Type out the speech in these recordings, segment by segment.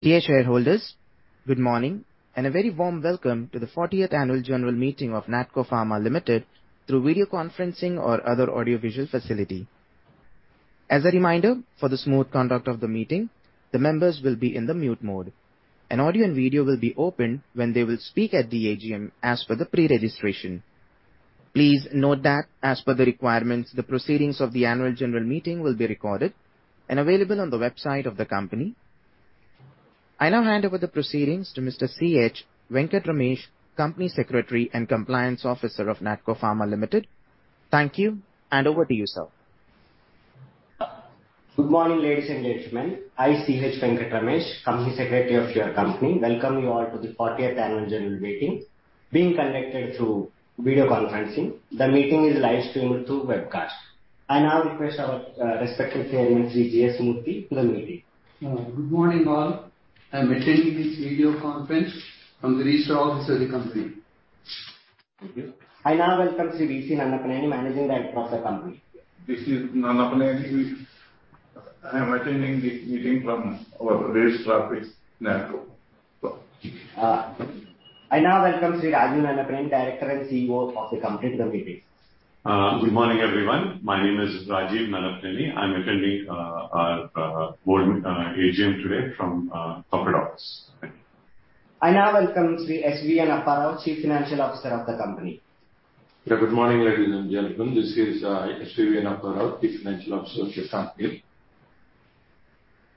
Dear shareholders, good morning, and a very warm welcome to the fortieth Annual General Meeting of NATCO Pharma Limited through video conferencing or other audiovisual facility. As a reminder, for the smooth conduct of the meeting, the members will be in the mute mode, and audio and video will be opened when they will speak at the AGM as per the pre-registration. Please note that as per the requirements, the proceedings of the annual general meeting will be recorded and available on the website of the company. I now hand over the proceedings to Mr. Ch. Venkat Ramesh, Company Secretary and Compliance Officer of NATCO Pharma Limited. Thank you, and over to you, sir. Good morning, ladies and gentlemen. I, C.H. Venkat Ramesh, Company Secretary of your company, welcome you all to the fortieth Annual General Meeting being conducted through video conferencing. The meeting is live streamed through webcast. I now request our respective chairman, Sri G.S. Murthy, to the meeting. Good morning, all. I'm attending this video conference from the registered office of the company. Thank you. I now welcome Sri V.C. Nannapaneni, Managing Director of the company. This is Nannapaneni. I am attending the meeting from our registered office, NATCO. I now welcome Sri Rajeev Nannapaneni, Director and CEO of the company, to the meeting. Good morning, everyone. My name is Rajeev Nannapaneni. I'm attending our board AGM today from corporate office. Thank you. I now welcome Sri S.V. Annarao, Chief Financial Officer of the company. Yeah, good morning, ladies and gentlemen. This is S.V. Annarao, Chief Financial Officer of the company.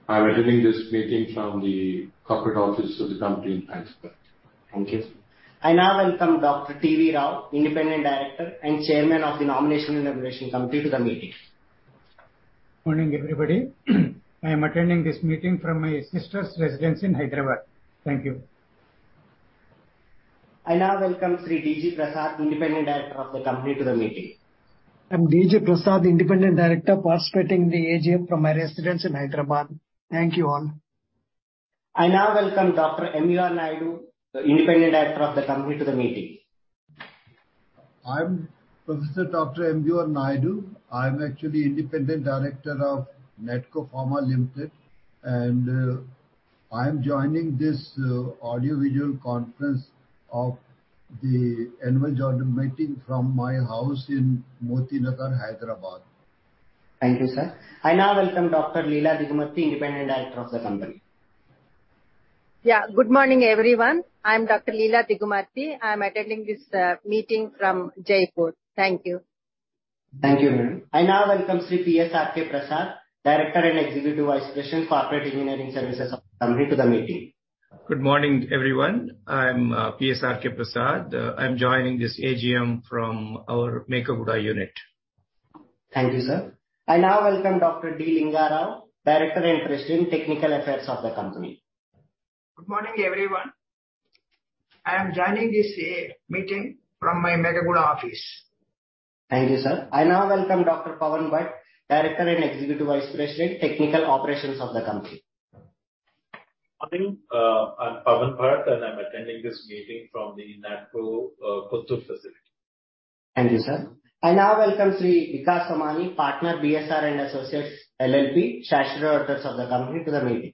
I'm attending this meeting from the corporate office of the company in Hyderabad. Thank you. I now welcome Dr. T.V. Rao, Independent Director and Chairman of the Nomination and Remuneration Committee, to the meeting. Morning, everybody. I am attending this meeting from my sister's residence in Hyderabad. Thank you. I now welcome Sri D.G. Prasad, Independent Director of the company, to the meeting. I'm D.G. Prasad, Independent Director, participating in the AGM from my residence in Hyderabad. Thank you, all. I now welcome Dr. M.U.R. Naidu, the Independent Director of the company, to the meeting. I'm Professor Dr. M.U.R. Naidu. I'm actually Independent Director of NATCO Pharma Limited, and, I'm joining this, audiovisual conference of the annual general meeting from my house in Motinagar, Hyderabad. Thank you, sir. I now welcome Dr. Leela Digumarti, Independent Director of the company. Yeah, good morning, everyone. I'm Dr. Leela Digumarti. I'm attending this meeting from Jaipur. Thank you. Thank you, ma'am. I now welcome Sri P.S.R.K. Prasad, Director and Executive Vice President, Corporate Engineering Services of the company, to the meeting. Good morning, everyone. I'm P.S.R.K. Prasad. I'm joining this AGM from our Mekaguda unit. Thank you, sir. I now welcome Dr. D. Lingarao, Director and President, Technical Affairs of the company. Good morning, everyone. I am joining this meeting from my Mekaguda office. Thank you, sir. I now welcome Dr. Pavan Bhat, Director and Executive Vice President, Technical Operations of the company. Morning, I'm Pawan Bharat, and I'm attending this meeting from the NATCO Kothur facility. Thank you, sir. I now welcome Sri Vikas Somani, Partner, B S R & Associates LLP, Chartered Auditors of the company, to the meeting.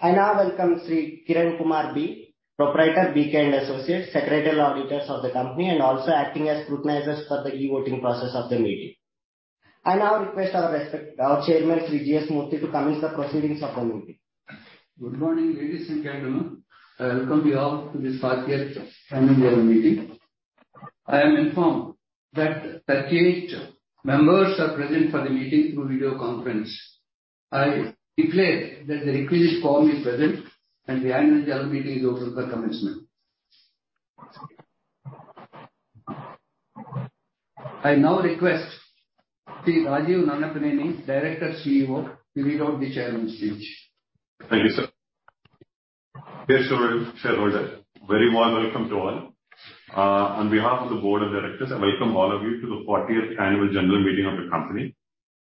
I now welcome Sri Kiran Kumar B, Proprietor, BK & Associates, Secretarial Auditors of the company, and also acting as scrutinizers for the e-voting process of the meeting. I now request our respected, our chairman, Sri G.S. Murthy, to commence the proceedings of the meeting. Good morning, ladies and gentlemen. I welcome you all to this 40th annual general meeting. I am informed that 38 members are present for the meeting through video conference. I declare that the requisite form is present, and the annual general meeting is open for commencement. I now request Sri Rajeev Nannapaneni, Director CEO, to read out the chairman's speech. Thank you, sir. Dear shareholder, very warm welcome to all. On behalf of the board of directors, I welcome all of you to the 40th Annual General Meeting of the company.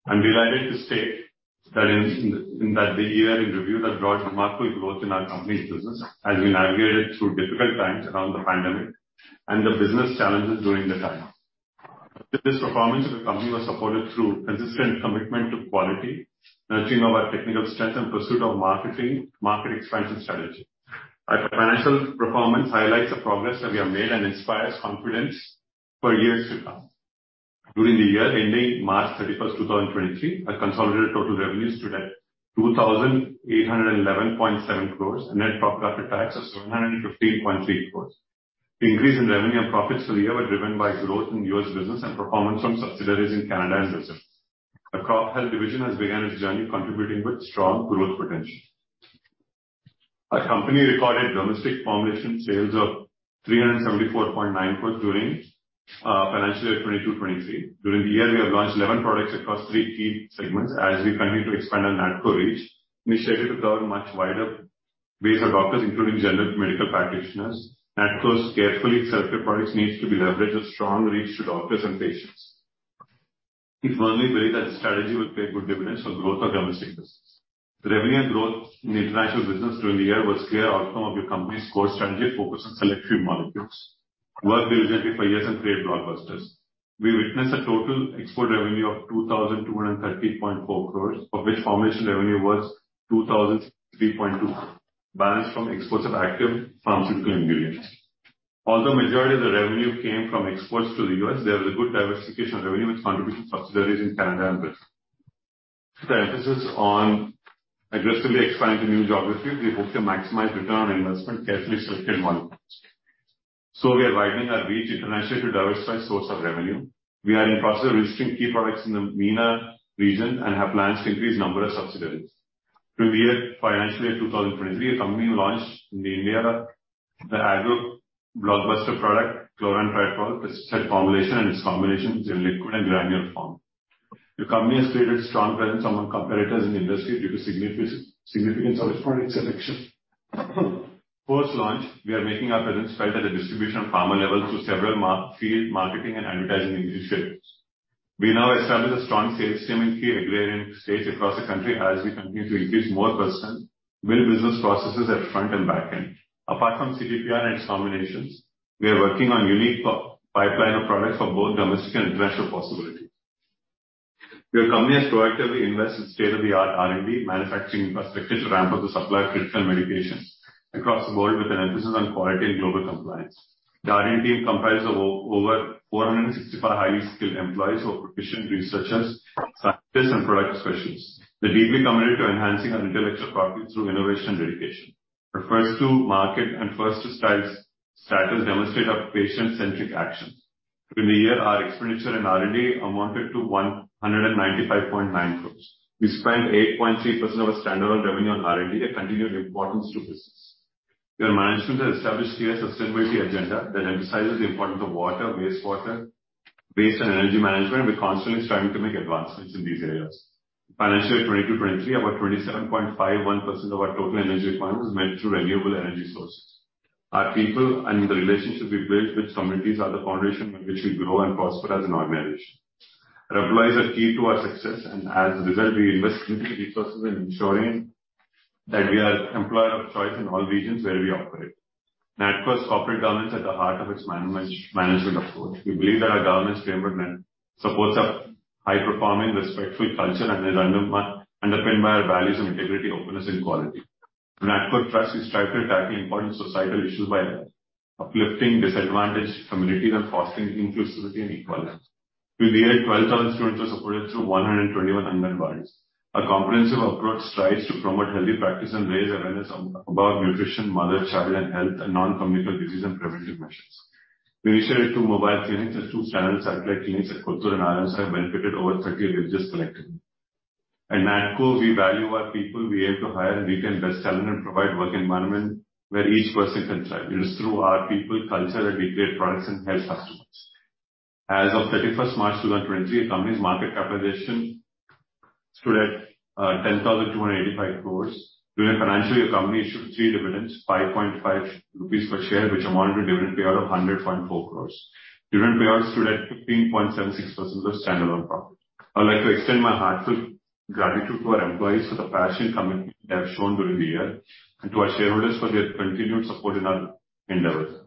I'm delighted to state that in, in that the year in review that brought remarkable growth in our company's business, as we navigated through difficult times around the pandemic and the business challenges during the time. This performance of the company was supported through consistent commitment to quality, nurturing of our technical strength, and pursuit of marketing, market expansion strategy. Our financial performance highlights the progress that we have made and inspires confidence for years to come. During the year ending March 31, 2023, our consolidated total revenues stood at 2,811.7 crores, and net profit after tax was 715.8 crores. The increase in revenue and profits for the year were driven by growth in U.S. business and performance from subsidiaries in Canada and Brazil. Our Crop Health division has begun its journey, contributing with strong growth potential. Our company recorded domestic formulation sales of 374.9 crore during financial year 2022-2023. During the year, we have launched 11 products across three key segments. As we continue to expand our NATCO reach, we started to cover a much wider base of doctors, including general medical practitioners. NATCO's carefully selected products needs to be leveraged with strong reach to doctors and patients. We firmly believe that the strategy will pay good dividends for growth of domestic business. Revenue growth in the international business during the year was clear outcome of the company's core strategy focused on select few molecules.... work diligently for years and create blockbusters. We witnessed a total export revenue of 2,230.4 crores, of which formulation revenue was 2,003.2 crores, balanced from exports of active pharmaceutical ingredients. Although majority of the revenue came from exports to the U.S., there was a good diversification of revenue with contribution from subsidiaries in Canada and Britain. The emphasis on aggressively expanding to new geographies, we hope to maximize return on investment, carefully selected markets. So we are widening our reach internationally to diversify source of revenue. We are in the process of registering key products in the MENA region and have plans to increase number of subsidiaries. Through the year financially in 2023, our company launched in India, the agro blockbuster product, chlorantraniliprole, which has formulation and its combinations in liquid and granular form. The company has created a strong presence among competitors in the industry due to significance of its product selection. Post-launch, we are making our presence felt at the distribution and farmer level through several field marketing and advertising initiatives. We now establish a strong sales team in key agrarian states across the country as we continue to increase more person, build business processes at front and back end. Apart from CTPR and its combinations, we are working on unique pipeline of products for both domestic and international possibilities. Your company has proactively invested state-of-the-art R&D manufacturing infrastructure to ramp up the supply of critical medications across the world with an emphasis on quality and global compliance. The R&D team comprises of over 465 highly skilled employees, who are proficient researchers, scientists, and product specialists. They are deeply committed to enhancing our intellectual property through innovation and dedication. Our first-to-market and first-to-file status demonstrate our patient-centric actions. During the year, our expenditure in R&D amounted to 195.9 crore. We spent 8.3% of our standalone revenue on R&D, a continued importance to business. Your management has established clear sustainability agenda that emphasizes the importance of water, wastewater, waste and energy management. We're constantly striving to make advancements in these areas. Financially, 2022-23, about 27.51% of our total energy requirements is met through renewable energy sources. Our people and the relationships we build with communities are the foundation on which we grow and prosper as an organization. Employees are key to our success, and as a result, we invest critically resources in ensuring that we are employer of choice in all regions where we operate. NATCO's corporate governance at the heart of its management approach. We believe that our governance framework supports a high-performing, respectful culture and is underpinned by our values of integrity, openness, and quality. NATCO Trust is striving to tackle important societal issues by uplifting disadvantaged communities and fostering inclusivity and equality. Through the year, 12,000 students were supported through 121 hunger bites. A comprehensive approach strives to promote healthy practices and raise awareness about nutrition, mother, child and health, and non-communicable disease and prevention measures. We initiated two mobile clinics and two satellite clinics at Kothur and Ayyer have benefited over 30 villages collectively. At NATCO, we value our people. We are able to hire and retain best talent and provide work environment where each person can thrive. It is through our people, culture, that we create products and help customers. As of March 31, 2023, our company's market capitalization stood at 10,285 crore. During the financial year, company issued three dividends, 5.5 rupees per share, which amounted to dividend payout of 100.4 crore. Dividend payout stood at 15.76% of standalone profit. I would like to extend my heartfelt gratitude to our employees for the passion and commitment they have shown during the year, and to our shareholders for their continued support in our endeavors.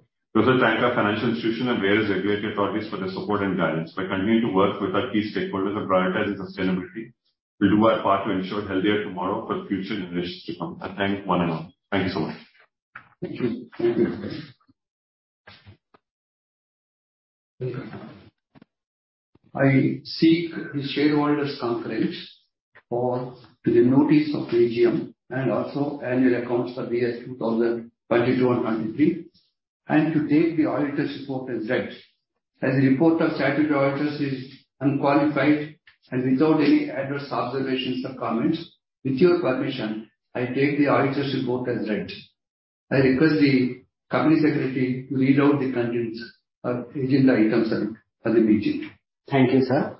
We also thank our financial institutions and various regulatory authorities for their support and guidance. We continue to work with our key stakeholders and prioritize the sustainability. We do our part to ensure a healthier tomorrow for future generations to come. I thank one and all. Thank you so much. Thank you. Thank you. I seek the shareholders' consent to the notice of AGM and also annual accounts for the year 2022 and 2023, and to take the auditor's report as read. As the report of chartered auditors is unqualified and without any adverse observations or comments, with your permission, I take the auditor's report as read. I request the company secretary to read out the contents of agenda items for the meeting. Thank you, sir.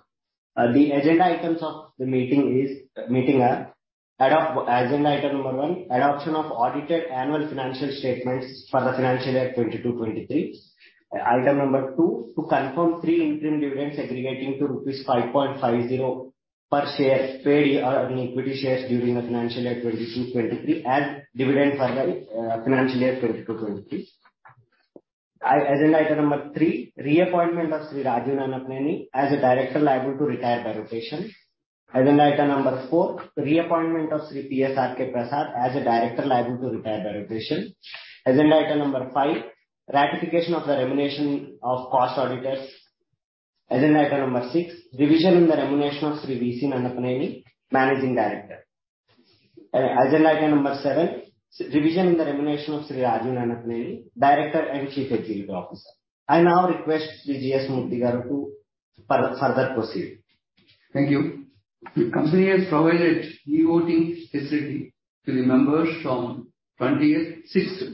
The agenda items of the meeting are: agenda item number one, adoption of audited annual financial statements for the financial year 2022-2023. Item number two, to confirm 3 interim dividends aggregating to rupees 5.50 per share paid on equity shares during the financial year 2022-2023 as dividend for the financial year 2022-2023. Agenda item number three, reappointment of Sri Rajeev Nannapaneni as a director liable to retire by rotation. Agenda item number four, reappointment of Sri P.S.R.K. Prasad as a director liable to retire by rotation. Agenda item number five, ratification of the remuneration of cost auditors. Agenda item number six, revision in the remuneration of Sri V.C. Nannapaneni, Managing Director. Agenda item number seven, revision in the remuneration of Sri Rajeev Nannapaneni, Director and Chief Executive Officer. I now request Sri G.S. Murty garu to further proceed. Thank you. The company has provided e-voting facility to the members from 26th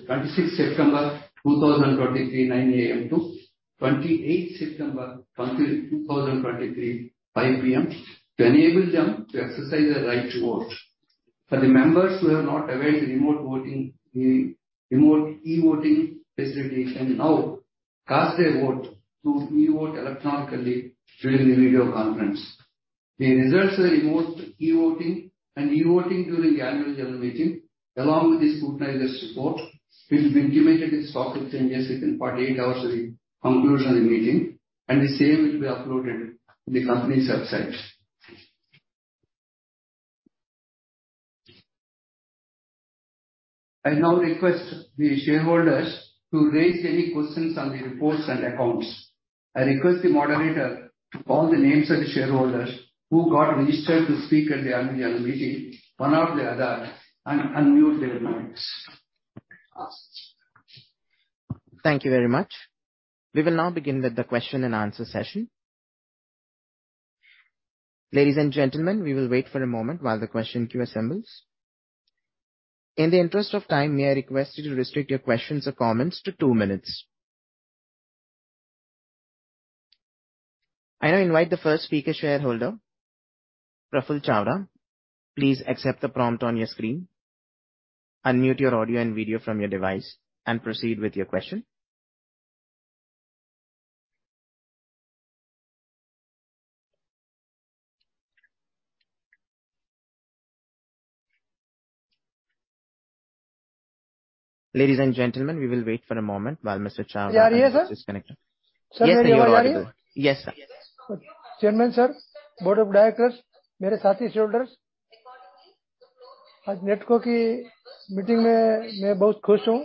September 2023, 9 A.M., to 28th September 2023, 5 P.M., to enable them to exercise their right to vote. For the members who are not aware of the remote voting, remote e-voting facility, can now cast their vote to e-vote electronically during the video conference. The results of the remote e-voting and e-voting during the annual general meeting, along with the scrutinizer's report, will be intimated in stock exchanges within 48 hours of the conclusion of the meeting, and the same will be uploaded on the company's website. I now request the shareholders to raise any questions on the reports and accounts. I request the moderator to call the names of the shareholders who got registered to speak at the annual general meeting, one after the other, and unmute their mics. Thank you very much. We will now begin with the question and answer session. Ladies and gentlemen, we will wait for a moment while the question queue assembles. In the interest of time, may I request you to restrict your questions or comments to two minutes. I now invite the first speaker shareholder, Praful Chawda. Please accept the prompt on your screen, unmute your audio and video from your device, and proceed with your question. Ladies and gentlemen, we will wait for a moment while Mr. Chawda- Yeah, Sir? Unmutes his connection. Sir, am I audible? Yes, sir. Chairman, sir, board of directors, my fellow shareholders, आज NATCO की meeting में मैं बहुत खुश हूं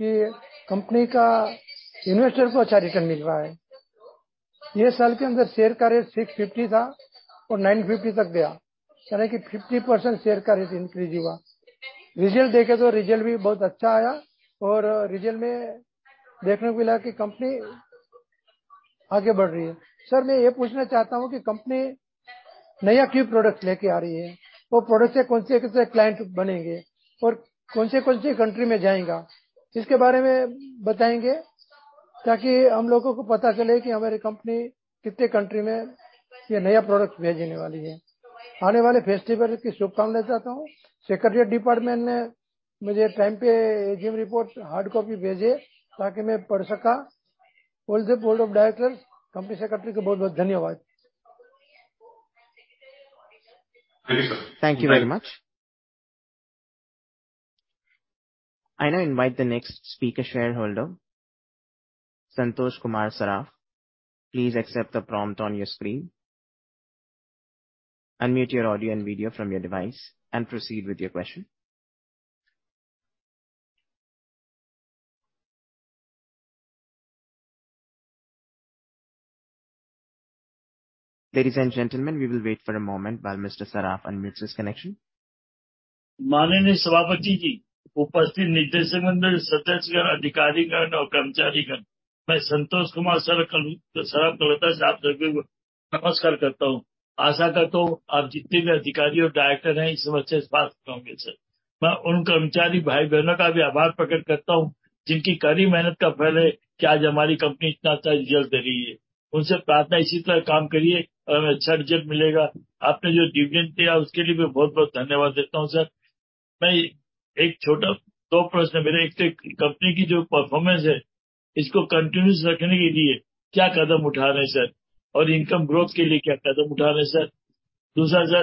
कि company का investor को अच्छा return मिल रहा है। यह साल के अंदर share का rate INR 650 था और INR 950 तक गया। यानी कि 50% share का rate increase हुआ। Result देखे तो result भी बहुत अच्छा आया और result में देखने को मिला कि company आगे बढ़ रही है। Sir, मैं यह पूछना चाहता हूं कि company नया क्यों product लेकर आ रही है? वो product से कौन से-कौन से client बनेंगे और कौन सी-कौन सी country में जाएगा? इसके बारे में बताएंगे, ताकि हम लोगों को पता चले कि हमारी company कितने country में यह नया product भेजने वाली है। आने वाले festival की शुभकामनाएं चाहता हूं। Secretary department ने मुझे time पे AGM report hard copy भेजे ताकि मैं पढ़ सका। All the board of directors, company secretary को बहुत-बहुत धन्यवाद। Thank you, sir. Thank you very much. I now invite the next speaker shareholder, Santosh Kumar Saraf. Please accept the prompt on your screen. Unmute your audio and video from your device and proceed with your question. Ladies and gentlemen, we will wait for a moment while Mr. Saraf unmutes his connection. माननीय सभापति जी, उपस्थित निदेशक मंडल, सदस्य गण, अधिकारी गण और कर्मचारी गण, मैं संतोष कुमार सराफ कहूं, सराफ प्रह्लाद आप सभी को नमस्कार करता हूं। आशा करता हूं, आप जितने भी अधिकारी और डायरेक्टर हैं, इस समय इस बात से होंगे, sir. मैं उन कर्मचारी भाई-बहनों का भी आभार प्रकट करता हूं, जिनकी कड़ी मेहनत का फल है कि आज हमारी कंपनी इतना अच्छा result दे रही है। उनसे प्रार्थना, इसी तरह काम करिए, और अच्छा result मिलेगा। आपने जो dividend दिया, उसके लिए मैं बहुत-बहुत धन्यवाद देता हूं, sir. मैं एक छोटा, दो प्रश्न पूछें। एक तो company की जो performance है, इसको continuous रखने के लिए क्या कदम उठा रहे हैं, sir? और income growth के लिए क्या कदम उठा रहे हैं, sir? दूसरा, sir,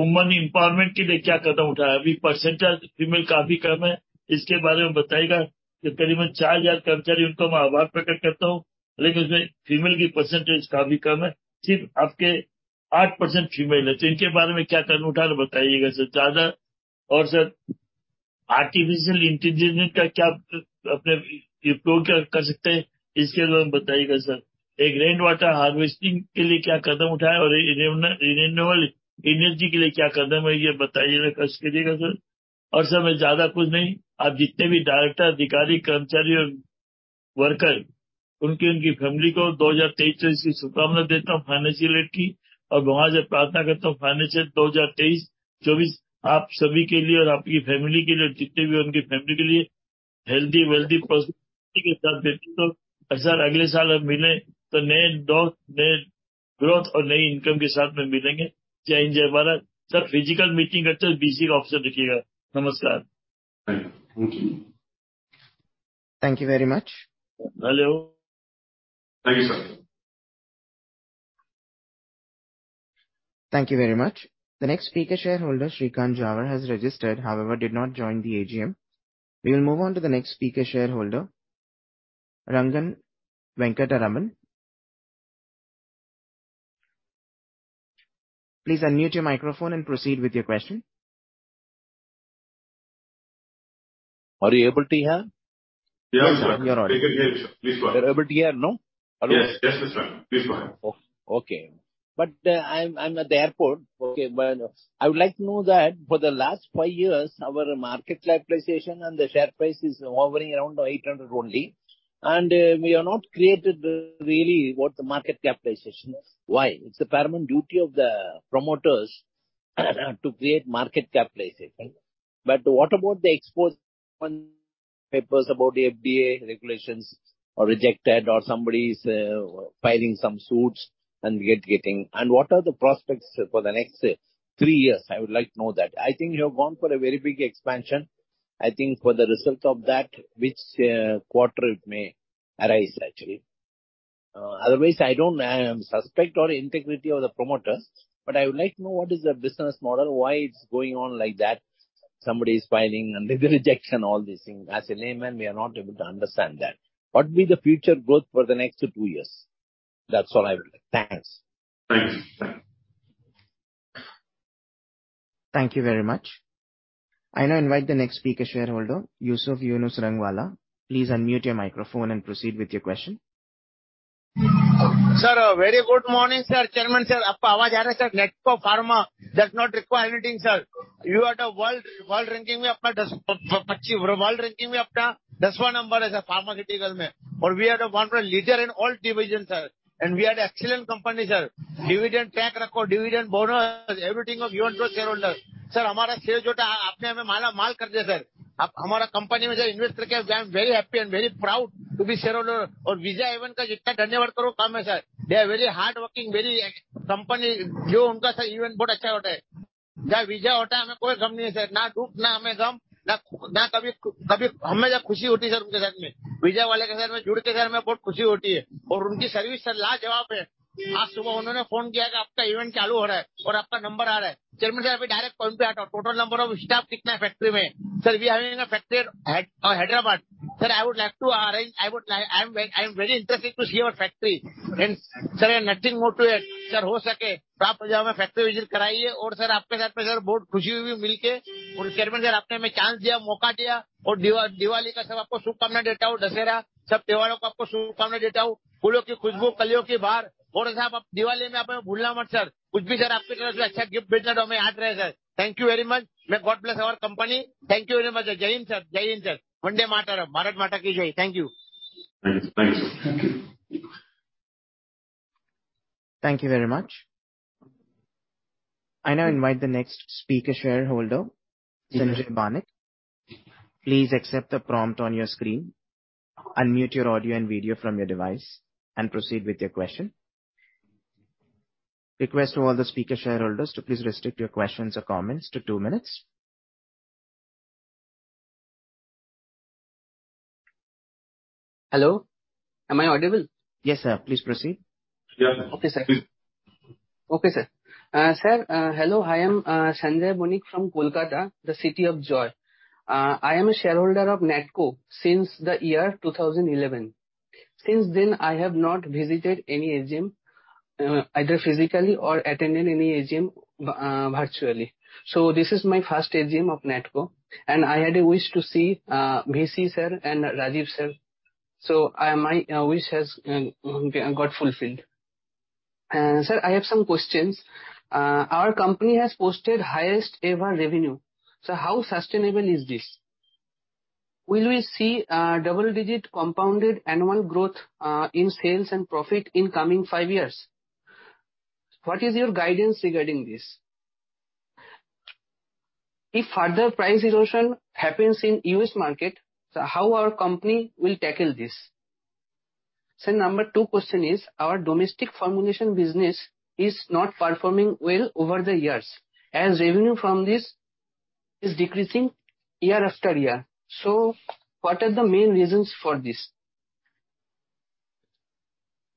women empowerment के लिए क्या कदम उठाया? Abhi percentage female kaafi kam hai. Iske baare mein bataiyega ki kareeb mein 4,000 karmchaari, unka main aabhaar prakat karta hoon, lekin usmein female ki percentage kaafi kam hai. Sirf aapke 8% female hain, to inke baare mein kya kadam uthaya, bataiyega, sir, jyada. Aur sir, artificial intelligence ka kya apne improve kar sakte hain, iske baare mein bataiyega, sir. One rainwater harvesting ke liye kya kadam uthaya aur renewable, renewable energy ke liye kya kadam hai, yah batajiye ka shat kariyega, sir. Sir, main jyada kuch nahi, aap jitne bhi director, adhikari, karmchari aur worker, unki, unki family ko 2023 ki shubhkamnaen deta hoon financial year ki, aur bhagwan se prarthna karta hoon financial 2023, 24, aap sabhi ke liye aur aapki family ke liye aur jitne bhi unki family ke liye healthy, wealthy ke saath de. To sir, agle saal hum mile to naye saal, naye growth aur nayi income ke saath mein milenge. Jai Hind, Jai Bharat. Sir, physical meeting karne ka bhi option rakhiyega. Namaskar. Thank you. Thank you very much. Thank you. Thank you, sir. Thank you very much. The next speaker, shareholder Shrikant Jawa, has registered, however, did not join the AGM. We will move on to the next speaker, shareholder Rangan Venkataraman. Please unmute your microphone and proceed with your question. Are you able to hear? Yeah, we can hear you, sir. Please go ahead. You're able to hear, no? Yes. Yes, Mr. Rangan, please go ahead. Oh, okay. But I'm at the airport. Okay, but I would like to know that for the last five years, our market capitalization and the share price is hovering around 800 only, and we have not created really what the market capitalization is. Why? It's the paramount duty of the promoters to create market capitalization. But what about the import alert papers about the FDA regulations are rejected or somebody is filing some suits and we are getting... And what are the prospects for the next three years? I would like to know that. I think you have gone for a very big expansion. I think for the result of that, which quarter it may arise, actually. Otherwise, I don't suspect or integrity of the promoters, but I would like to know what is the business model, why it's going on like that. Somebody is filing and then the rejection, all these things. As a layman, we are not able to understand that. What will be the future growth for the next two years? That's all I would like. Thanks. Thanks. Thank you very much. I now invite the next speaker shareholder, Yusuf Yunus Rangwala. Please unmute your microphone and proceed with your question. Sir, a very good morning, sir, Chairman, sir. Sir, NATCO Pharma does not require anything, sir. You are the world, world ranking of us, world ranking of the first one number is pharmaceutical, but we are the one leader in all division, sir, and we are an excellent company, sir. Dividend track record, dividend bonus, everything of you want to a shareholder. Sir, share mala maal kar diya sir. Amara company which I invest with you, I'm very happy and very proud to be shareholder. Or Vijay event, dhanyavad karo kam hai sir. They are very hardworking, very company, jo unka sir event bahut achcha hota hai. Vijay hota hai, hame koi gham nahi hai sir. Na dukh, na hame gam, na, na kabhi, kabhi hamesha khushi hoti sir unke saath mein. Vijay wale ke saath mein judke hame bahut khushi hoti hai, aur unki service sir lajawab hai. Aaj subah unhone phone kiya ki aapka event chalu ho raha hai, aur aapka number aa raha hai. Chairman sir, aap direct point pe aata hu. Total number of staff kitna hai factory mein? Sir, we are having a factory at Hyderabad. Sir, I would like to arrange, I would like, I am, I am very interested to see your factory. And sir, nothing more to it. Sir, ho sake, aap mujhe factory visit karaiye, aur sir, aapke saath mein sir bahut khushi hui milke. Aur Chairman sir, aapne mein chance diya, mauka diya, aur Diwali ka sab aapko shubhkamna deta hu, Dussehra, sab tyoharo ka aapko shubhkamna deta hu. Phoolon ki khushbu, kaliyon ki bhar, aur sir aap Diwali mein aap bhulna mat, sir. Kuch bhi sir, aapki taraf se achcha gift bhejna ho, hame yaad rahe sir. Thank you very much. May God bless our company. Thank you very much, sir. Jai Hind, sir. Jai Hind, sir. Vande Mataram. Bharat Mata ki Jai! Thank you. Thank you. Thank you. Thank you very much. I now invite the next speaker shareholder, Sanjay Banik. Please accept the prompt on your screen, unmute your audio and video from your device and proceed with your question. Request to all the speaker shareholders to please restrict your questions or comments to two minutes. Hello, am I audible? Yes, sir. Please proceed. Yeah. Okay, sir. Okay, sir. Sir, hello, I am Sanjay Banik from Kolkata, the City of Joy. I am a shareholder of Natco since the year 2011. Since then, I have not visited any AGM, either physically or attended any AGM, virtually. So this is my first AGM of Natco, and I had a wish to see V.C. sir and Rajeev sir. So I, my wish has got fulfilled. Sir, I have some questions. Our company has posted highest ever revenue. So how sustainable is this? Will we see double-digit compounded annual growth in sales and profit in coming 5 years? What is your guidance regarding this? If further price erosion happens in U.S. market, so how our company will tackle this? So number 2 question is, our domestic formulation business is not performing well over the years, as revenue from this is decreasing year after year. So what are the main reasons for this?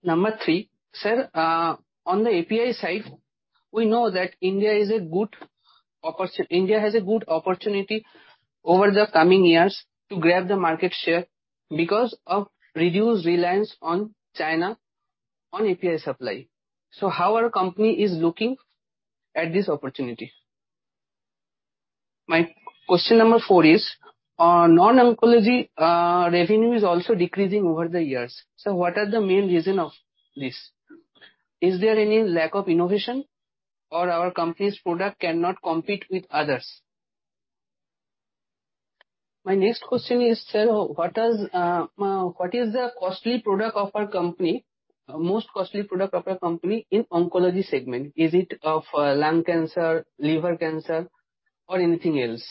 Number 3, sir, on the API side, we know that India has a good opportunity over the coming years to grab the market share because of reduced reliance on China, on API supply. So how our company is looking at this opportunity? My question number 4 is, non-oncology revenue is also decreasing over the years. So what are the main reason of this? Is there any lack of innovation or our company's product cannot compete with others? My next question is, sir, what is the costly product of our company, most costly product of our company in oncology segment? Is it of lung cancer, liver cancer, or anything else?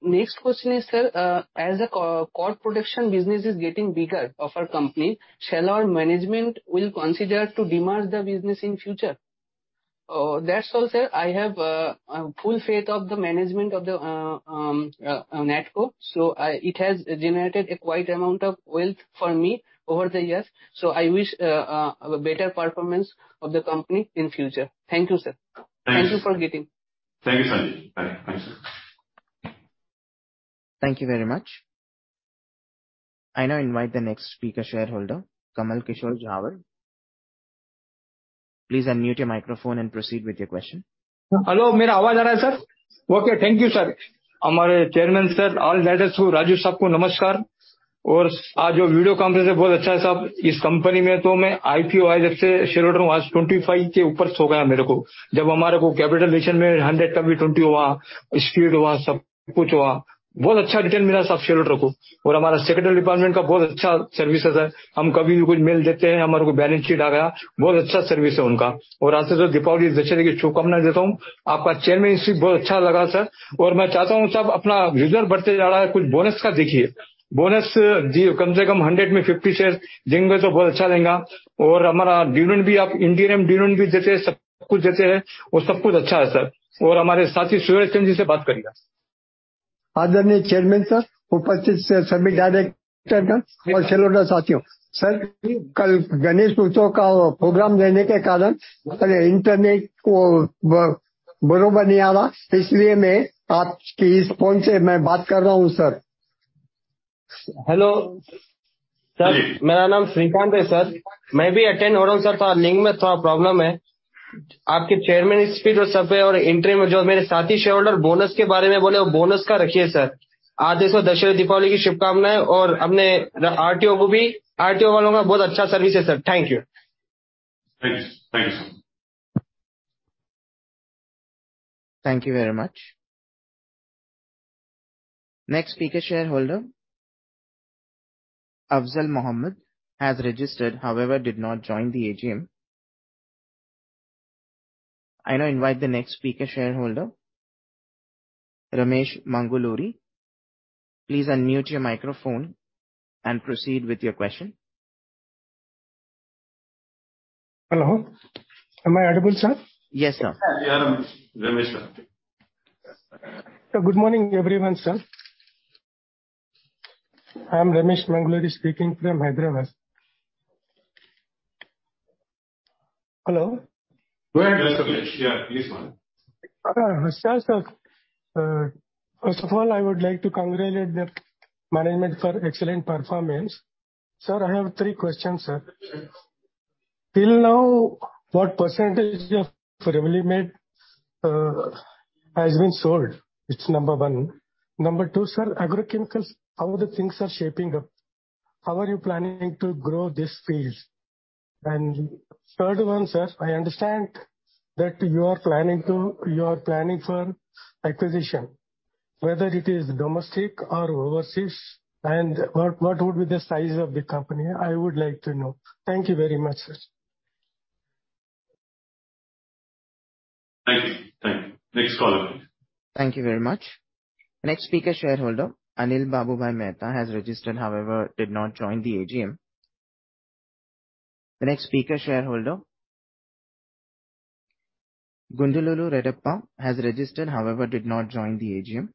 Next question is, sir, as the core production business is getting bigger of our company, shall our management will consider to demerge the business in future? That's all, sir. I have full faith of the management of the NATCO, so it has generated a quite amount of wealth for me over the years. So I wish a better performance of the company in future. Thank you, sir. Thanks. Thank you for getting. Thank you, Sanjay. Bye. Thank you, sir. Thank you very much. I now invite the next speaker shareholder, Kamal Kishore Jawar. Please unmute your microphone and proceed with your question. Hello, meri awaaz aa rahi hai, Thank you very much. Next speaker shareholder, Afzal Mohammed, has registered, however, did not join the AGM. I now invite the next speaker shareholder, Ramesh Manguluri. Please unmute your microphone and proceed with your question. Hello. Am I audible, sir? Yes, sir. Yes, Ramesh, sir. Sir, good morning, everyone, sir. I am Ramesh Manguluri speaking from Hyderabad. Hello. Go ahead, Ramesh. Yeah, please go on. Sir, so, first of all, I would like to congratulate the management for excellent performance. Sir, I have three questions, sir. Till now, what percentage of Pomalidomide has been sold? It's number one. Number two, sir, agrochemicals, how the things are shaping up? How are you planning to grow this field? And third one, sir, I understand that you are planning to... You are planning for acquisition, whether it is domestic or overseas, and what, what would be the size of the company? I would like to know. Thank you very much, sir. Thank you. Thank you. Next caller, please. Thank you very much. Next speaker shareholder, Anil Babu Bhai Mehta, has registered, however, did not join the AGM. The next speaker shareholder, Gundluru Redappa, has registered, however, did not join the AGM.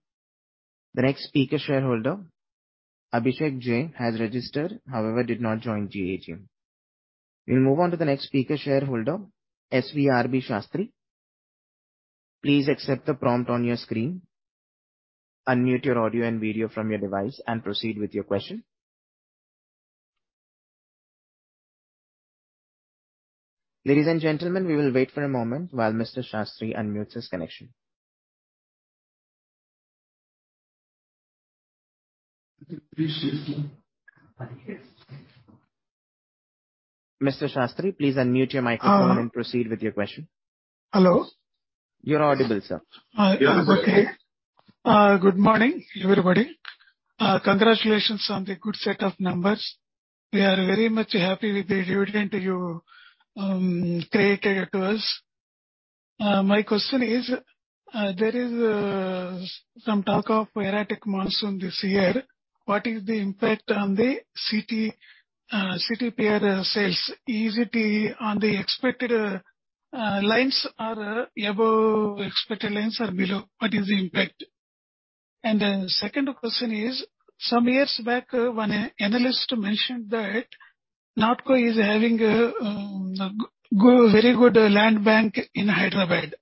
The next speaker shareholder, Abhishek J, has registered, however, did not join the AGM. We'll move on to the next speaker shareholder, SVRB Shastri. Please accept the prompt on your screen. Unmute your audio and video from your device and proceed with your question. Ladies and gentlemen, we will wait for a moment while Mr. Shastri unmutes his connection. Mr. Shastri, please unmute your microphone- Uh. and proceed with your question. Hello? You are audible, sir. Okay. Good morning, everybody. Congratulations on the good set of numbers. We are very much happy with the dividend you created to us. My question is, there is some talk of erratic monsoon this year. What is the impact on the CTPR sales? Is it on the expected lines or above expected lines or below? What is the impact? And the second question is, some years back, one analyst mentioned that NATCO is having a very good land bank in Hyderabad.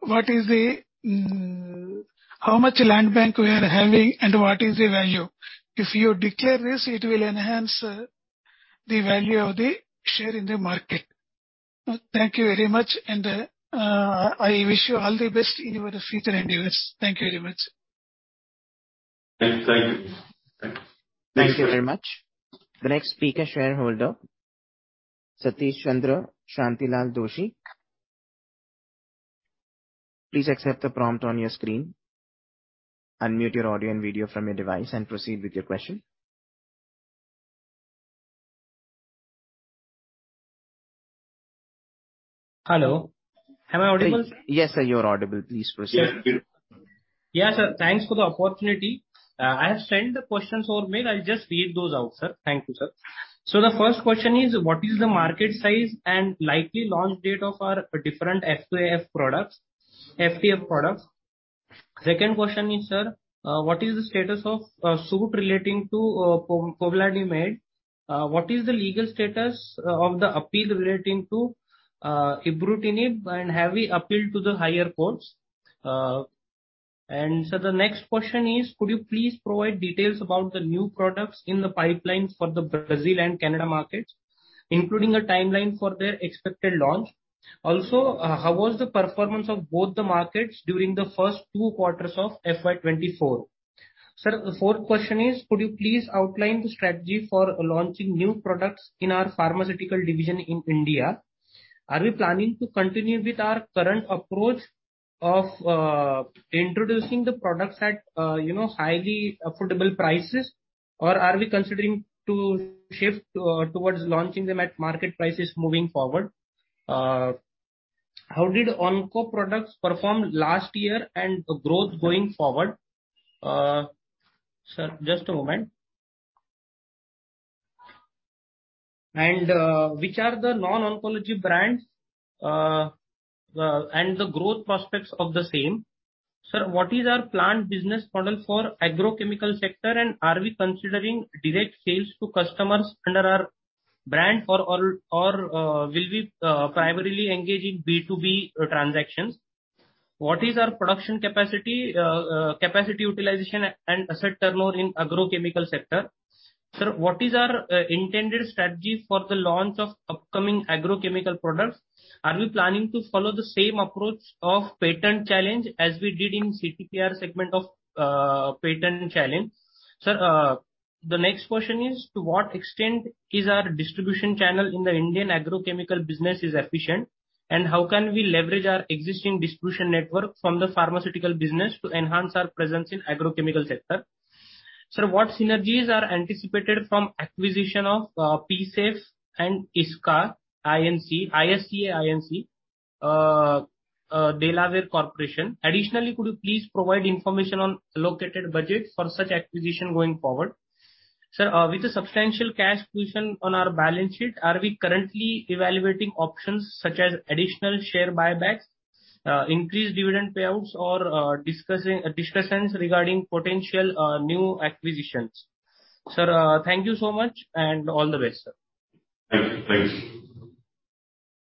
What is the... How much land bank we are having, and what is the value? If you declare this, it will enhance the value of the share in the market. Thank you very much, and I wish you all the best in your future endeavors. Thank you very much. Thank you. Thank you. Thank you. Thank you very much. The next speaker shareholder, Satish Chandra Shantilal Doshi. Please accept the prompt on your screen. Unmute your audio and video from your device and proceed with your question. Hello, am I audible? Yes, sir, you are audible. Please proceed. Yes, you. Yeah, sir. Thanks for the opportunity. I have sent the questions over mail. I'll just read those out, sir. Thank you, sir. So the first question is, what is the market size and likely launch date of our different FTF products, FTF products? Second question is, sir, what is the status of suit relating to Pomalidomide? What is the legal status of the appeal relating to ibrutinib, and have we appealed to the higher courts? And sir, the next question is, could you please provide details about the new products in the pipeline for the Brazil and Canada markets, including a timeline for their expected launch? Also, how was the performance of both the markets during the first two quarters of FY 2024? Sir, the fourth question is, could you please outline the strategy for launching new products in our pharmaceutical division in India? Are we planning to continue with our current approach of introducing the products at you know highly affordable prices, or are we considering to shift to towards launching them at market prices moving forward? How did onco products perform last year and the growth going forward? Sir, just a moment. Which are the non-oncology brands and the growth prospects of the same? Sir, what is our planned business model for agrochemical sector, and are we considering direct sales to customers under our brand for all, or will we primarily engage in B2B transactions? What is our production capacity, capacity utilization and asset turnover in agrochemical sector? Sir, what is our intended strategy for the launch of upcoming agrochemical products? Are we planning to follow the same approach of patent challenge as we did in CTPR segment of patent challenge? Sir, the next question is, to what extent is our distribution channel in the Indian agrochemical business is efficient, and how can we leverage our existing distribution network from the pharmaceutical business to enhance our presence in agrochemical sector? Sir, what synergies are anticipated from acquisition of PSAFE and ISCA Inc., Delaware corporation? Additionally, could you please provide information on allocated budget for such acquisition going forward? Sir, with a substantial cash position on our balance sheet, are we currently evaluating options such as additional share buybacks, increased dividend payouts, or discussions regarding potential new acquisitions? Sir, thank you so much and all the best, sir. Thank you.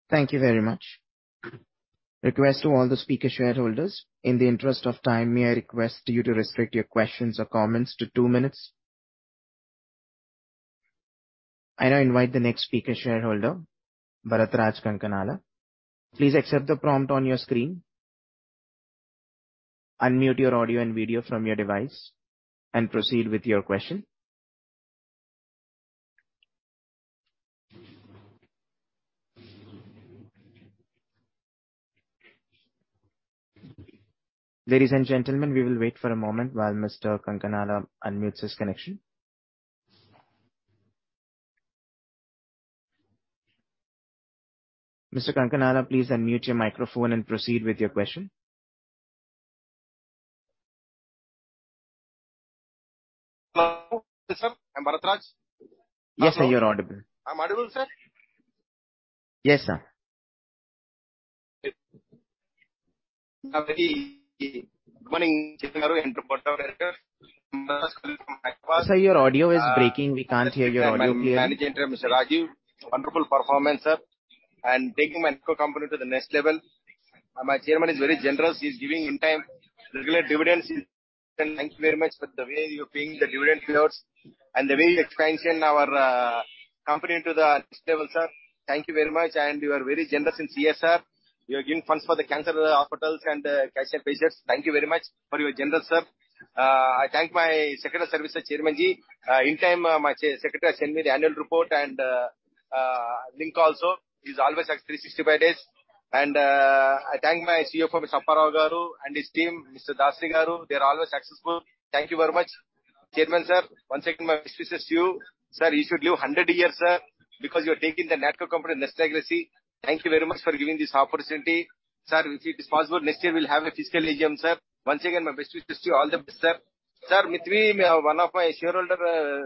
Thank you very much. Request to all the speaker shareholders, in the interest of time, may I request you to restrict your questions or comments to two minutes? I now invite the next speaker shareholder, Bharat Raj Kankanala. Please accept the prompt on your screen. Unmute your audio and video from your device and proceed with your question. Ladies and gentlemen, we will wait for a moment while Mr. Kankanala unmutes his connection. Mr. Kankanala, please unmute your microphone and proceed with your question. Hello, sir, I'm Bharat Raj. Yes, sir, you are audible. I'm audible, sir? Yes, sir. Good morning, Sir, your audio is breaking. We can't hear your audio clearly. Managing Director, Mr. Rajeev. Wonderful performance, sir, and taking my company to the next level. My chairman is very generous. He's giving in time. Regular dividends, he's. Thank you very much for the way you're paying the dividend payouts and the way you expansion our company into the next level, sir. Thank you very much, and you are very generous in CSR. You are giving funds for the cancer hospitals and cancer patients. Thank you very much for your generous, sir. I thank my secretary service, Chairman Ji. In time, my secretary send me the annual report and link also. He's always active 365 days. I thank my CFO, Mr. Chappa Rao Garu, and his team, Mr. Dasaru, they are always successful. Thank you very much. Chairman, sir, once again, my best wishes to you. Sir, you should live 100 years, sir, because you are taking the NATCO company next legacy. Thank you very much for giving this opportunity. Sir, if it is possible, next year we'll have a physical AGM, sir. Once again, my best wishes to you. All the best, sir. Sir, Mithri, one of my shareholder,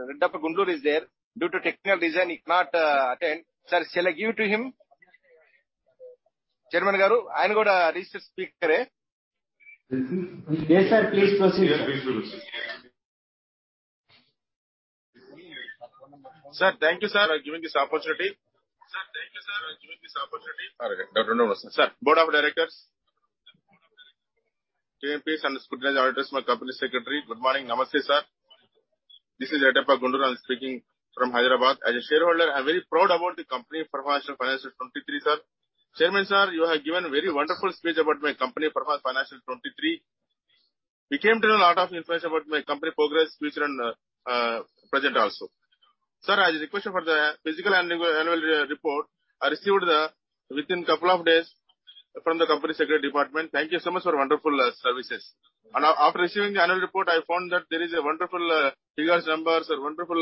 Redappa Gundooru, is there. Due to technical reason, he cannot attend. Sir, shall I give it to him? Chairman Garu, I am also a recent speaker. Yes, sir, please proceed. Please proceed. Sir, thank you, sir, for giving this opportunity. Sir, thank you, sir, for giving this opportunity. Sir, Board of Directors, CMPs and auditors, my company secretary, good morning, namaste, sir. This is Redappa Gundooru speaking from Hyderabad. As a shareholder, I'm very proud about the company performance and financial 23, sir. Chairman, sir, you have given a very wonderful speech about my company performance financial 23. We came to know a lot of information about my company progress, future, and present also. Sir, as a request for the physical annual report, I received it within a couple of days from the company secretarial department. Thank you so much for wonderful services. After receiving the annual report, I found that there is a wonderful figures, numbers, and wonderful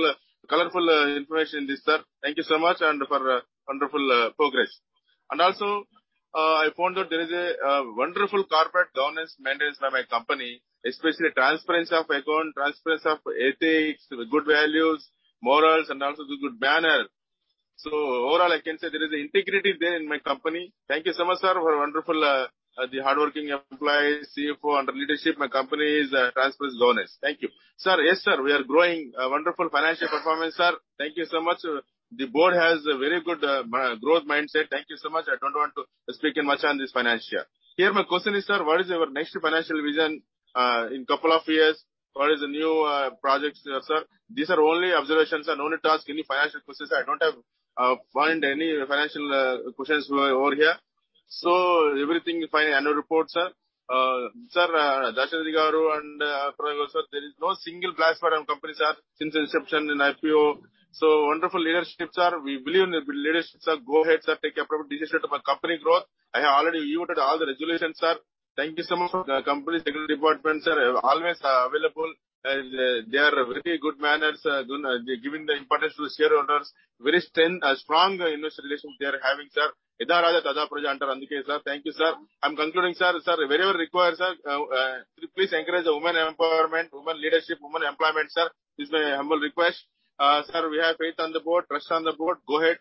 colorful information in this, sir. Thank you so much and for wonderful progress. I found out there is a wonderful corporate governance maintained by my company, especially transparency of account, transparency of ethics, with good values, morals, and also the good manner. So overall, I can say there is an integrity there in my company. Thank you so much, sir, for a wonderful the hardworking employees, CFO, and leadership. My company is transparent governance. Thank you. Sir, yes, sir, we are growing a wonderful financial performance, sir. Thank you so much. The board has a very good growth mindset. Thank you so much. I don't want to speak in much on this financial. Here, my question is, sir: what is your next financial vision, in couple of years? What is the new projects, sir? These are only observations. I don't want to ask any financial questions. I don't have find any financial questions over here. So everything you find in annual report, sir. Sir, Dasari Garu and Prava Garu, sir, there is no single blast pattern company, sir, since inception in IPO. So wonderful leadership, sir. We believe in the leadership, sir. Go ahead, sir, take appropriate decision for company growth. I have already viewed all the resolutions, sir. Thank you so much for the company security department, sir, always available, and they are very good manners, giving the importance to the shareholders. Very strength, a strong investor relations they are having, sir. Thank you, sir. I'm concluding, sir. Sir, wherever required, sir, please encourage the women empowerment, women leadership, women employment, sir. This is my humble request. Sir, we have faith on the board, trust on the board. Go ahead.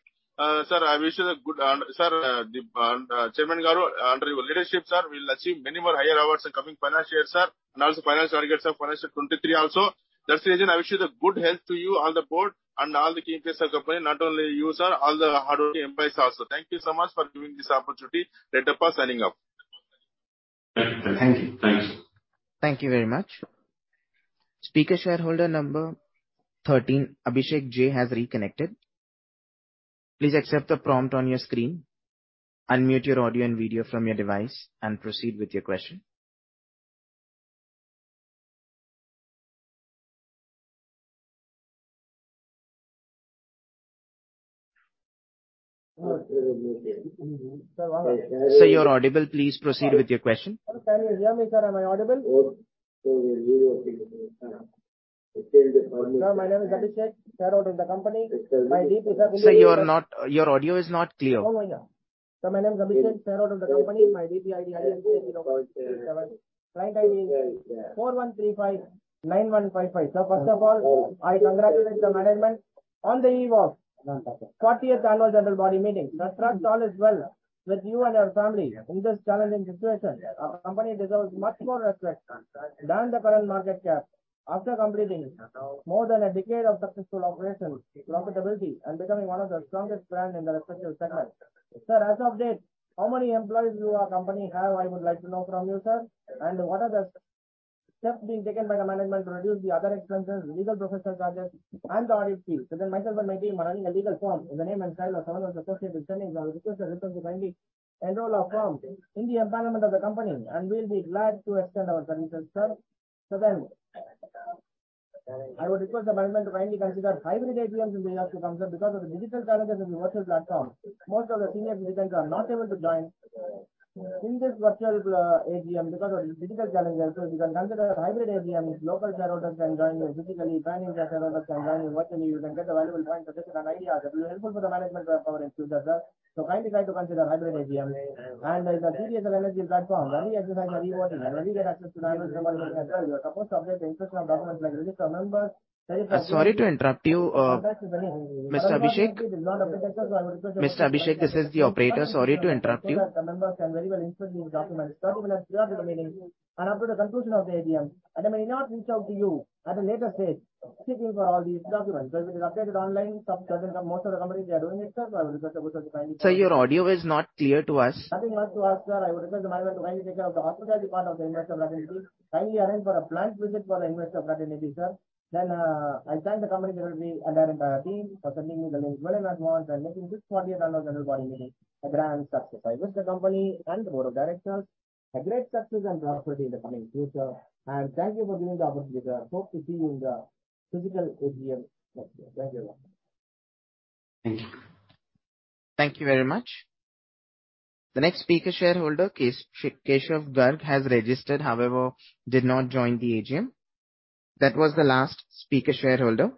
Sir, I wish you the good, and sir, the chairman, under your leadership, sir, we will achieve many more higher awards in coming financial year, sir, and also financial targets of financial 2023 also. That's the reason I wish you the good health to you on the board and all the key players of company, not only you, sir, all the hard employees also. Thank you so much for giving this opportunity. Signing off. Thank you. Thank you. Thank you very much. Speaker shareholder number 13, Abhishek J, has reconnected. Please accept the prompt on your screen, unmute your audio and video from your device, and proceed with your question. Sir... Sir, you're audible. Please proceed with your question. Can you hear me, sir? Am I audible? Sir, my name is Abhishek, shareholder in the company. My DP is- Sir, you are not, your audio is not clear. Oh, my God. Sir, my name is Abhishek, shareholder in the company. My DPID is 0.37. Client ID is 41359155. So first of all, I congratulate the management on the eve of 40th Annual General Body Meeting. I trust all is well with you and your family in this challenging situation. Our company deserves much more respect than the current market cap. After completing more than a decade of successful operations, profitability, and becoming one of the strongest brand in the respective segment. Sir, as of date, how many employees do our company have? I would like to know from you, sir. And what are the steps being taken by the management to reduce the other expenses, legal professional charges, and the audit fee? So then myself and my team are running a legal firm in the name and style of someone who associated with sending the request and response to kindly enroll our firm in the empowerment of the company, and we'll be glad to extend our services, sir. So then, I would request the management to kindly consider hybrid AGMs in the years to come, sir, because of the digital challenges in the virtual platform, most of the senior citizens are not able to join in this virtual AGM because of digital challenges. So you can consider a hybrid AGM if local shareholders can join you physically, planning shareholders can join you virtually. You can get the valuable points and suggestions and ideas that will be helpful for the management for our future, sir. So kindly try to consider hybrid AGM. The serious energy platform. Every exercise is rewarded, and when we get access to the... You are supposed to update the information of documents like release to members. Sorry to interrupt you, Mr. Abhishek. Mr. Abhishek, this is the operator. Sorry to interrupt you. The members can very well inspect these documents 30 minutes prior to the meeting and up to the conclusion of the AGM, and they may not reach out to you at a later stage seeking for all these documents. But it is updated online, some, certain, most of the companies are doing it, sir, so I would request you to kindly- Sir, your audio is not clear to us. Nothing much to ask, sir. I would request the management to kindly take care of the official part of the Investor Relations Week. Kindly arrange for a plant visit for the Investor Relations Week, sir. Then, I thank the company secretary and our entire team for sending me the link well in advance and making this fortieth Annual General Body Meeting a grand success. I wish the company and the board of directors a great success and prosperity in the coming future. And thank you for giving the opportunity, sir. Hope to see you in the physical AGM. Thank you. Thank you very much. Thank you very much. The next speaker shareholder, Keshav Garg, has registered, however, did not join the AGM. That was the last speaker shareholder.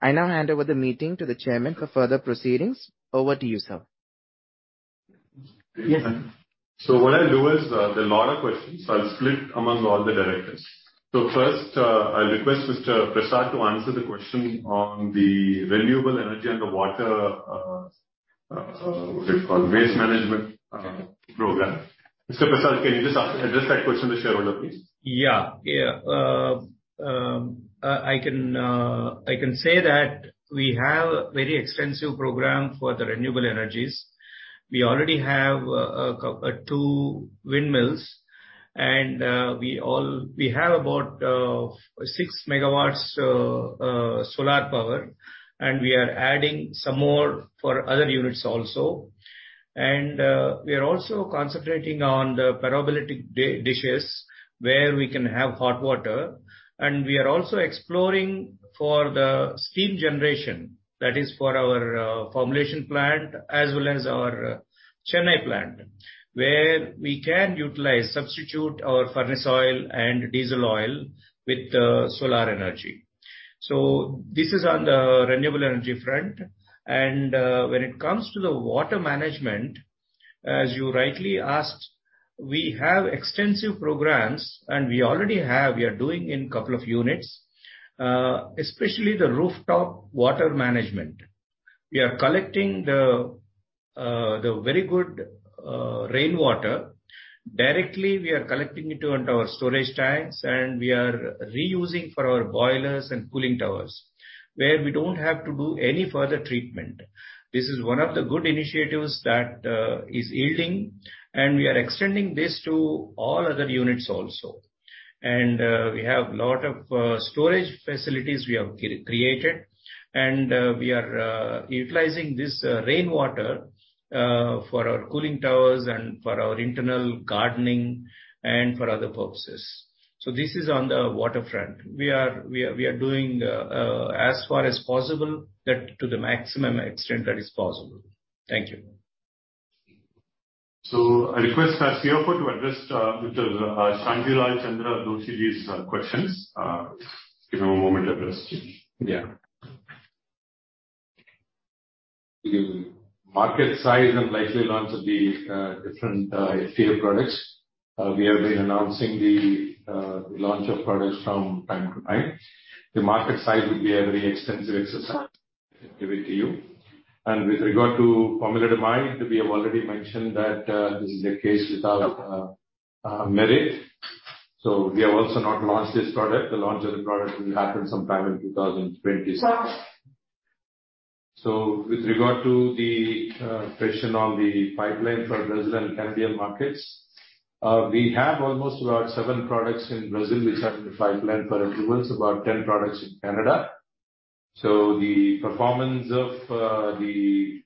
I now hand over the meeting to the chairman for further proceedings. Over to you, sir. Yes. So what I'll do is, there are a lot of questions, so I'll split among all the directors. So first, I request Mr. Prasad to answer the question on the renewable energy and the water, what we call waste management, program. Mr. Prasad, can you just ask, address that question to shareholder, please? Yeah. Yeah. I can say that we have a very extensive program for the renewable energies. We already have two windmills, and we have about 6 megawatts solar power, and we are adding some more for other units also. We are also concentrating on the parabolic dishes, where we can have hot water. We are also exploring for the steam generation, that is for our formulation plant, as well as our Chennai plant, where we can utilize, substitute our furnace oil and diesel oil with solar energy. So this is on the renewable energy front. When it comes to the water management, as you rightly asked, we have extensive programs, and we already have, we are doing in couple of units, especially the rooftop water management. We are collecting the very good rainwater. Directly, we are collecting it onto our storage tanks, and we are reusing for our boilers and cooling towers, where we don't have to do any further treatment. This is one of the good initiatives that is yielding, and we are extending this to all other units also. And we have a lot of storage facilities we have created, and we are utilizing this rainwater for our cooling towers and for our internal gardening and for other purposes. So this is on the waterfront. We are doing as far as possible, that to the maximum extent that is possible. Thank you. ... I request the CEO to address Mr. Shanti Raj Chandra Doshi's questions. Give you a moment to address. Yeah. The market size and likely launch of the different field products. We have been announcing the launch of products from time to time. The market size would be a very extensive exercise, give it to you. And with regard to Pomalidomide, we have already mentioned that this is a case without merit. So we have also not launched this product. The launch of the product will happen sometime in 2027. So with regard to the question on the pipeline for Brazil and Canadian markets, we have almost about seven products in Brazil which are in the pipeline for approvals, about 10 products in Canada. So the performance of the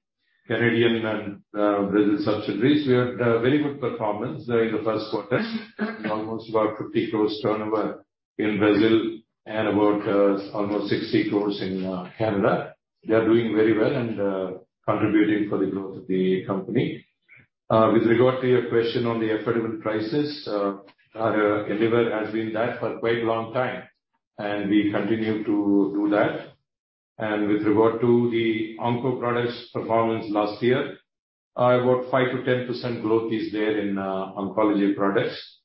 Canadian and Brazilian subsidiaries, we had a very good performance in the first quarter, almost about 50 crore turnover in Brazil and about almost 60 crore in Canada. They are doing very well and contributing for the growth of the company. With regard to your question on the affordable prices, our endeavor has been that for quite a long time, and we continue to do that. And with regard to the onco products performance last year, about 5%-10% growth is there in oncology products.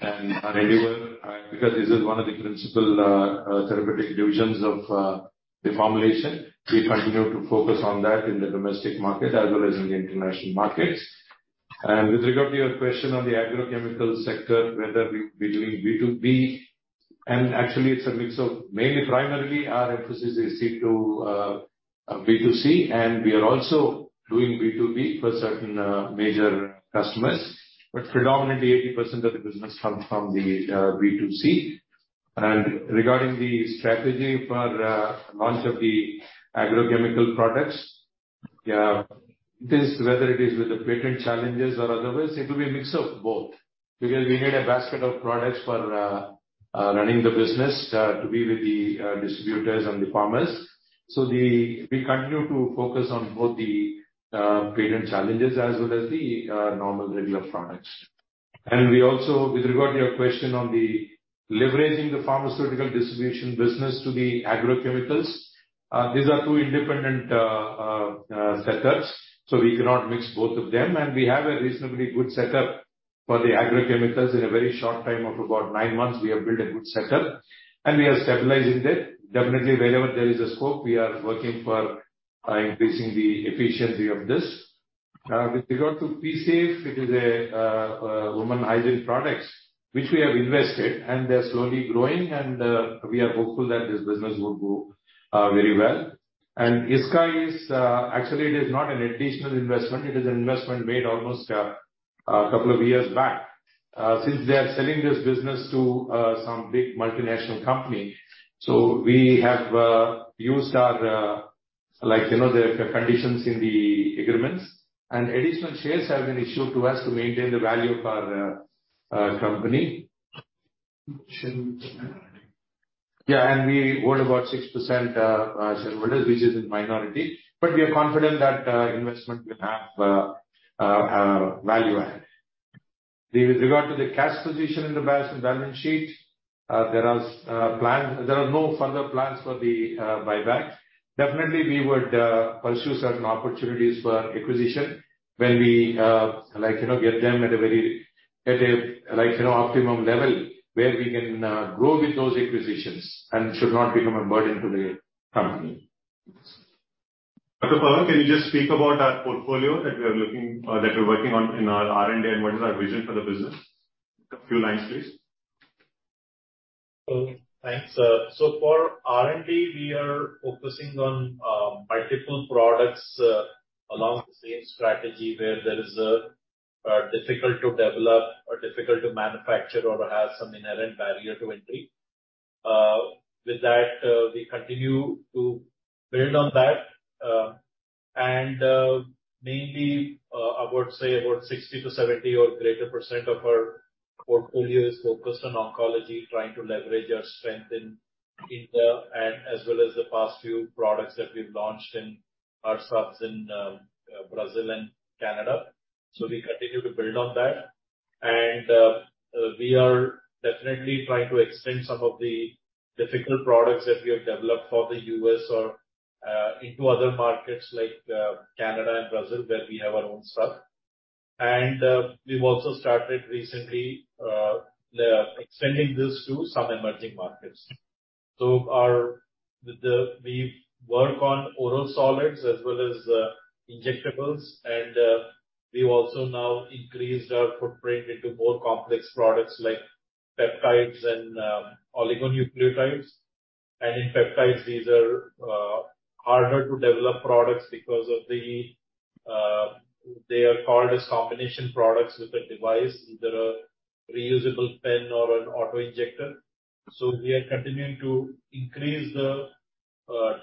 And anyway, because this is one of the principal therapeutic divisions of the formulation, we continue to focus on that in the domestic market as well as in the international markets. With regard to your question on the agrochemical sector, whether we're doing B2B, and actually it's a mix of mainly primarily our emphasis is C to B2C, and we are also doing B2B for certain major customers, but predominantly 80% of the business comes from the B2C. Regarding the strategy for launch of the agrochemical products, this, whether it is with the patent challenges or otherwise, it will be a mix of both, because we need a basket of products for running the business to be with the distributors and the farmers. So we continue to focus on both the patent challenges as well as the normal regular products. We also, with regard to your question on the leveraging the pharmaceutical distribution business to the agrochemicals, these are two independent sectors, so we cannot mix both of them. And we have a reasonably good setup for the agrochemicals. In a very short time of about nine months, we have built a good setup, and we are stabilizing it. Definitely, wherever there is a scope, we are working for increasing the efficiency of this. With regard to PSAFE, it is a woman hygiene products, which we have invested, and they're slowly growing, and we are hopeful that this business will grow very well. And ISCA Inc. is actually it is not an additional investment, it is an investment made almost a couple of years back. Since they are selling this business to some big multinational company, so we have used our like you know the conditions in the agreements, and additional shares have been issued to us to maintain the value of our company. Yeah, and we own about 6% shareholdings, which is in minority, but we are confident that investment will have value added. With regard to the cash position in the balance sheet, there are no further plans for the buyback. Definitely, we would pursue certain opportunities for acquisition when we like you know get them at a very like you know optimum level, where we can grow with those acquisitions and should not become a burden to the company. Dr. Pavan, can you just speak about our portfolio that we're working on in our R&D, and what is our vision for the business? A few lines, please. Thanks. So for R&D, we are focusing on multiple products along the same strategy where there is a difficult to develop or difficult to manufacture or have some inherent barrier to entry. With that, we continue to build on that. And mainly, about, say, about 60%-70% or greater of our portfolio is focused on oncology, trying to leverage our strength in India and as well as the past few products that we've launched in our subs in Brazil and Canada. So we continue to build on that. And we are definitely trying to extend some of the difficult products that we have developed for the U.S. or into other markets like Canada and Brazil, where we have our own sub. And we've also started recently extending this to some emerging markets. So we work on oral solids as well as injectables, and we've also now increased our footprint into more complex products like peptides and oligonucleotides. And in peptides, these are harder to develop products because they are called as combination products with a device, either a reusable pen or an auto-injector. So we are continuing to increase the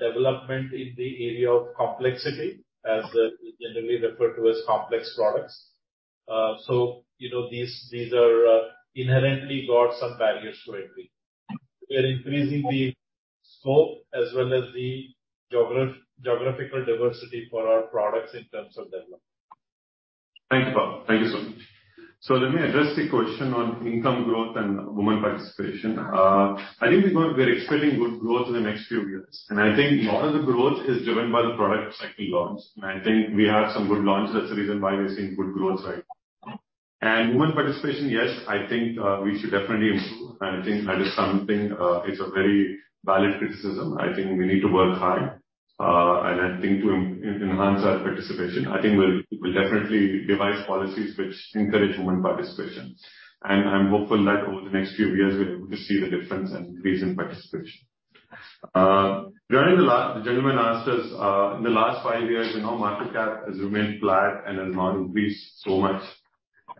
development in the area of complexity, as generally referred to as complex products. So you know, these are inherently got some barriers to entry. We are increasing the-... scope as well as the geographical diversity for our products in terms of development. Thank you, Pav. Thank you so much. So let me address the question on income growth and woman participation. I think we're expecting good growth in the next few years, and I think a lot of the growth is driven by the products that we launched. And I think we have some good launches, that's the reason why we're seeing good growth right now. And woman participation, yes, I think we should definitely improve, and I think that is something, it's a very valid criticism. I think we need to work hard, and I think to enhance our participation. I think we'll definitely devise policies which encourage woman participation. And I'm hopeful that over the next few years, we're able to see the difference and increase in participation. During the last... The gentleman asked us in the last five years, you know, market cap has remained flat and has not increased so much.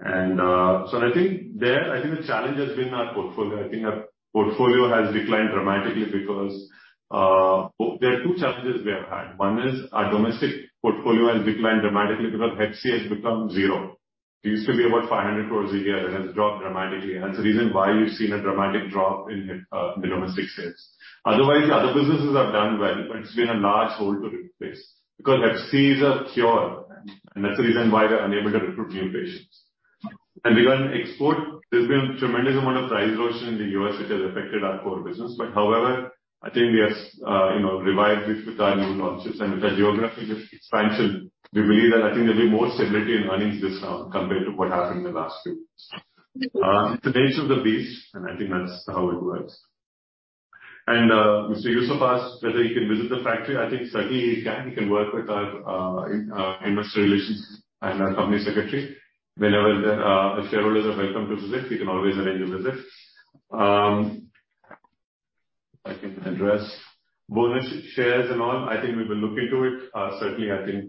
So I think there, I think the challenge has been our portfolio. I think our portfolio has declined dramatically because, oh, there are two challenges we have had. One is our domestic portfolio has declined dramatically because Hep C has become zero. It used to be about 500 crore a year, and has dropped dramatically. And that's the reason why you've seen a dramatic drop in the domestic sales. Otherwise, the other businesses have done well, but it's been a large hole to replace because Hep C is a cure, and that's the reason why we're unable to recruit new patients. And regarding export, there's been a tremendous amount of price erosion in the U.S., which has affected our core business. However, I think we have, you know, revived it with our new launches and with our geographic expansion. We believe that I think there'll be more stability in earnings this round compared to what happened in the last few. It's the nature of the beast, and I think that's how it works. Mr. Yusuf asked whether he can visit the factory. I think, certainly, he can. He can work with our, in, investor relations and our company secretary. Whenever the, the shareholders are welcome to visit, we can always arrange a visit. I can address bonus shares and all. I think we will look into it. Certainly, I think,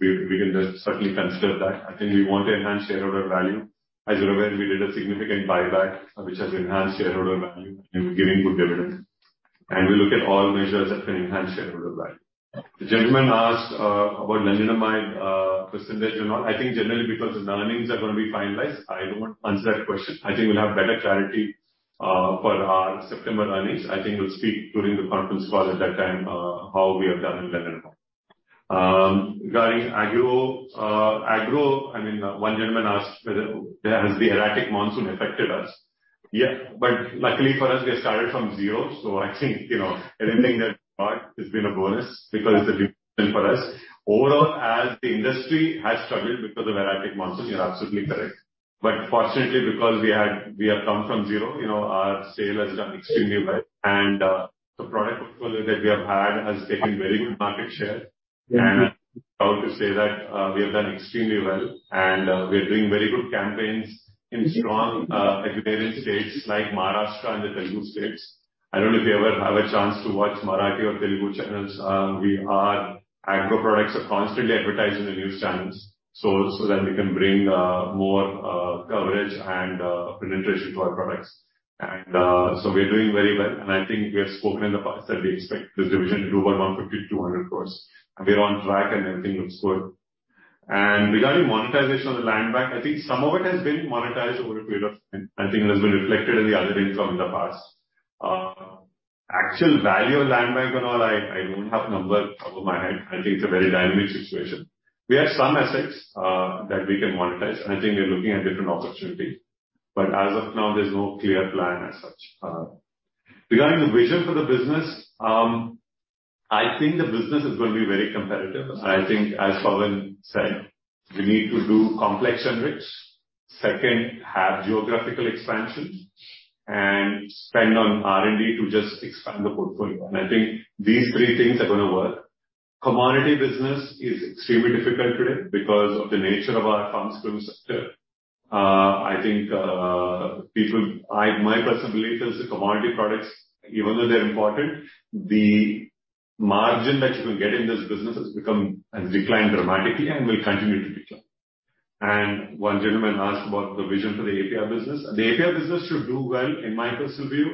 we, we can just certainly consider that. I think we want to enhance shareholder value. As you're aware, we did a significant buyback, which has enhanced shareholder value, and we're giving good dividends. And we look at all measures that can enhance shareholder value. The gentleman asked about Lenalidomide, percentage and all. I think generally because the earnings are going to be finalized, I don't want to answer that question. I think we'll have better clarity for our September earnings. I think we'll speak during the conference call at that time how we have done in Lenalidomide. Regarding agro, agro, I mean, one gentleman asked whether has the erratic monsoon affected us? Yeah, but luckily for us, we have started from zero, so I think, you know, anything that has been a bonus because it's a for us. Overall, as the industry has struggled because of erratic monsoon, you're absolutely correct. But fortunately, because we have come from zero, you know, our sales have done extremely well, and the product portfolio that we have has taken very good market share. And I'm proud to say that we have done extremely well, and we are doing very good campaigns in strong agrarian states like Maharashtra and the Telugu states. I don't know if you ever have a chance to watch Marathi or Telugu channels. Agro products are constantly advertised in the news channels, so that we can bring more coverage and penetration to our products. And so we are doing very well, and I think we have spoken in the past that we expect this division to do about 150 crores-200 crores, and we are on track, and everything looks good. And regarding monetization of the land bank, I think some of it has been monetized over a period of time, and I think it has been reflected in the earnings from the past. Actual value of land bank and all, I, I don't have numbers off of my head. I think it's a very dynamic situation. We have some assets that we can monetize, and I think we're looking at different opportunities, but as of now, there's no clear plan as such. Regarding the vision for the business, I think the business is going to be very competitive. I think as Pawan said, we need to do complex generics. Second, have geographical expansion, and spend on R&D to just expand the portfolio. And I think these three things are gonna work. Commodity business is extremely difficult today because of the nature of our pharmaceutical sector. I think, people, my personal belief is the commodity products, even though they're important, the margin that you can get in this business has become, has declined dramatically and will continue to decline. One gentleman asked about the vision for the API business. The API business should do well, in my personal view,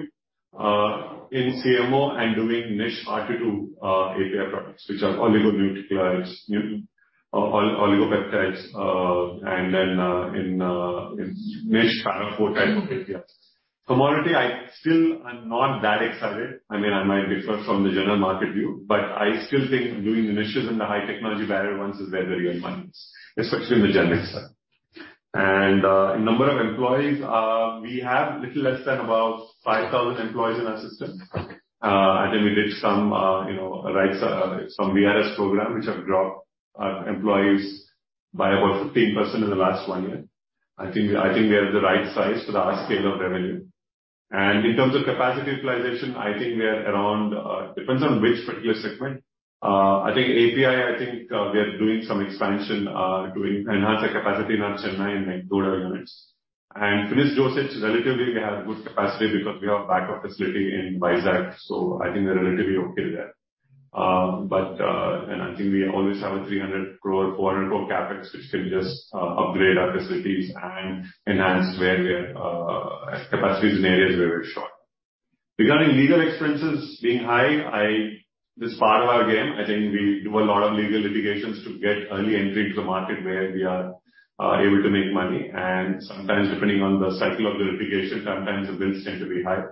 in CMO and doing niche R&D API products, which are oligonucleotides, oligopeptides, and then in niche kind of type of APIs. Commodity, I still am not that excited. I mean, I might differ from the general market view, but I still think doing the niches in the high technology barrier ones is where the real money is, especially in the generic side. Number of employees, we have a little less than about 5,000 employees in our system. I think we did some, you know, right size some VRS program, which have dropped our employees by about 15% in the last 1 year. I think, I think we are the right size for our scale of revenue. In terms of capacity utilization, I think we are around, depends on which particular segment. I think API, I think, we are doing some expansion, doing enhance the capacity in our Chennai and Nagarjunasagar units. Finished dosage, relatively, we have good capacity because we have a backup facility in Vizag, so I think we're relatively okay there. But, and I think we always have a 300 crore-400 crore CapEx, which can just, upgrade our facilities and enhance where we are, capacities in areas where we're short. Regarding legal expenses being high, I... This is part of our game. I think we do a lot of legal litigations to get early entry into the market where we are able to make money, and sometimes depending on the cycle of the litigation, sometimes the bills tend to be high.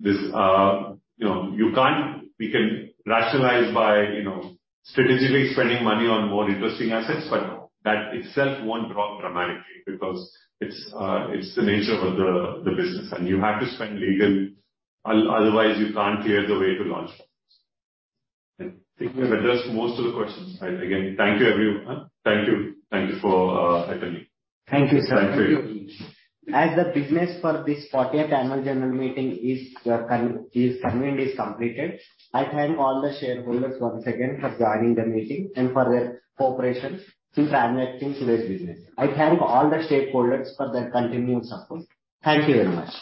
This, you know, you can't—we can rationalize by, you know, strategically spending money on more interesting assets, but that itself won't drop dramatically because it's the nature of the business, and you have to spend legal; otherwise you can't clear the way to launch products. I think we have addressed most of the questions. I again thank you, everyone. Thank you. Thank you for attending. Thank you, sir. Thank you. As the business for this fortieth annual general meeting is completed, I thank all the shareholders once again for joining the meeting and for their cooperation through transacting today's business. I thank all the stakeholders for their continued support. Thank you very much.